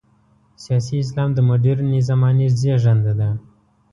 سیاسي اسلام د مډرنې زمانې زېږنده ده.